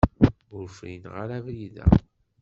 Ur frineɣ ara abrid-a.